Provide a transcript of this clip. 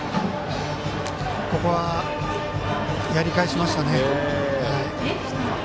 ここはやり返しましたね。